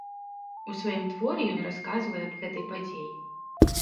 У сваім творы ён расказвае аб гэтай падзеі.